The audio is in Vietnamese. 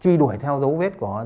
chuy đuổi theo dấu vết của họ